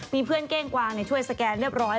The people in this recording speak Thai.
มีเพื่อนเก้งกวางช่วยสแกนเรียบร้อย